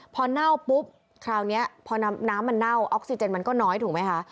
พอเน่าปุ๊บคราวนี้พอน้ำมันเน่าออกซิเจนมันก็น้อยถูกไหมคะ